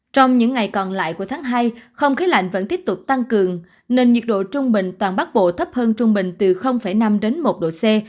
trong những ngày còn lại của tháng hai không khí lạnh vẫn tiếp tục tăng cường nên nhiệt độ trung bình toàn bắc bộ thấp hơn trung bình từ năm đến một độ c